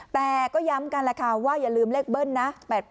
แต่ก็ย้ำกันแหละค่ะว่าอย่าลืมเลขเบิ้ลนะ